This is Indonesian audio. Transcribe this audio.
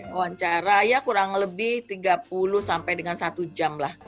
wawancara ya kurang lebih tiga puluh sampai dengan satu jam lah